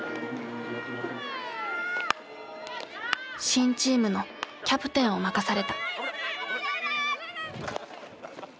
新チームのキャプテンを任された。